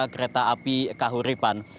kereta api kahuripan